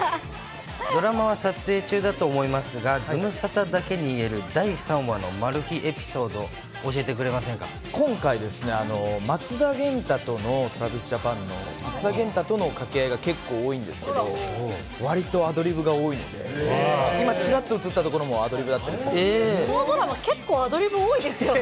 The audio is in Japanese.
ドラマは撮影中だと思いますが、ズムサタだけに言える第３話のマル秘エピソード、教えてくれませ今回ですね、まつだげんたとのＴｒａｖｉｓＪａｐａｎの、まつだげんたとの掛け合いが結構多いんですけど、わりとアドリブが多いので、今、ちらっと映ったところもアドリブだったりするんですよ結構アドリブ多いですよね。